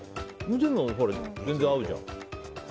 でも、全然合うじゃん。